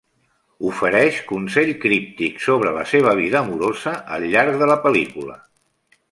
Ofereix consell críptic sobre la seva vida amorosa al llarg de la pel·lícula.